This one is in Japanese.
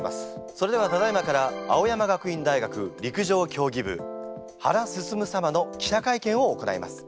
それではただいまから青山学院大学陸上競技部原晋様の記者会見を行います。